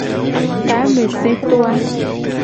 Tameseto a.